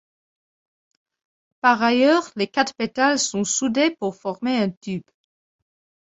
Par ailleurs, les quatre pétales sont soudés pour former un tube.